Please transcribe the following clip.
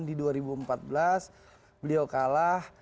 di dua ribu empat belas beliau kalah